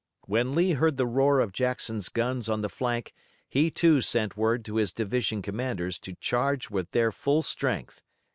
When Lee heard the roar of Jackson's guns on the flank he, too, sent word to his division commanders to charge with their full strength.